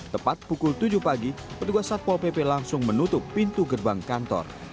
tepat pukul tujuh pagi petugas satpol pp langsung menutup pintu gerbang kantor